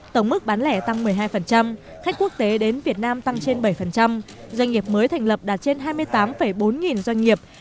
tổng mức bán lẻ tăng một mươi hai khách quốc tế đến việt nam tăng trên bảy doanh nghiệp mới thành lập đạt trên hai mươi tám bốn nghìn doanh nghiệp